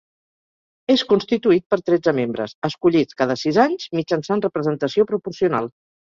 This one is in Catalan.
És constituït per tretze membres, escollits cada sis anys mitjançant representació proporcional.